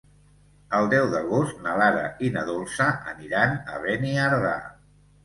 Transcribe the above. El deu d'agost na Lara i na Dolça aniran a Beniardà.